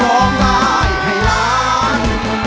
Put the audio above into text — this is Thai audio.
ร้องได้ให้ล้าน